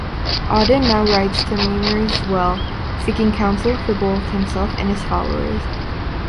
Odin now rides to Mimir's Well, seeking council for both himself and his followers.